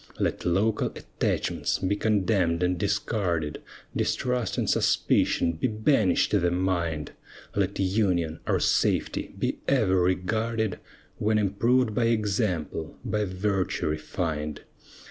Let local attachments be condemn'd and discarded, Distrust and suspicion be banish'd the mind, Let union, our safety, be ever regarded, When improved by example, by virtue refined.